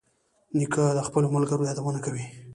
نیکه د خپلو ملګرو یادونه کوي.